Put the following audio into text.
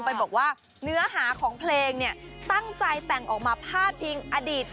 ไปบอกว่าเนื้อหาของเพลงเนี่ยตั้งใจแต่งออกมาพาดพิงอดีต